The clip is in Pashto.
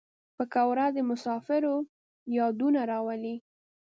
پکورې د مسافرو یادونه راولي